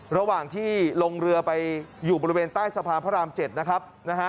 ระหว่างที่ลงเรือไปอยู่บริเวณใต้สะพานพระราม๗นะครับนะฮะ